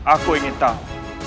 aku ingin tahu